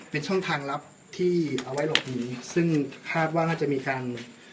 เป็นช่องทางลับที่เอาไว้หลบหนีซึ่งคาดว่าน่าจะมีการ